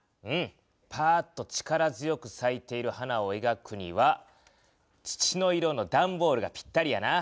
パーッと力強くさいている花をえがくには土の色のだんボールがぴったりやな。